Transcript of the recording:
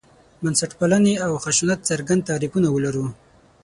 بنسټپالنې او خشونت څرګند تعریفونه ولرو.